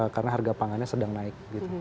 karena harga pangannya sedang naik